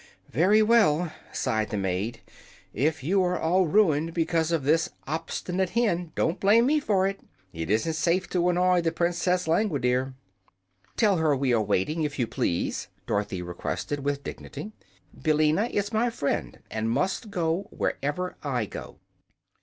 "Very well," sighed the maid; "if you are all ruined because of this obstinate hen, don't blame me for it. It isn't safe to annoy the Princess Langwidere." "Tell her we are waiting, if you please," Dorothy requested, with dignity. "Billina is my friend, and must go wherever I go."